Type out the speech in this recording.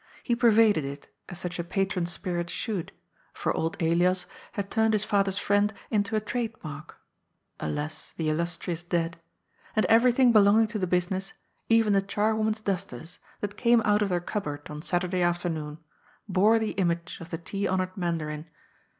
He pervaded it, as such a patron spirit should, for old Elias had turned his father's friend into a trademark^alas, the illustrious dead! — and everything belonging to the busi ness, even the charwoman's dusters, that came out of their cupboard on Saturday afternoon, bore the image of the tea honoured Mandarin.